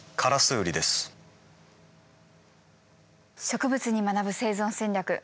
「植物に学ぶ生存戦略」。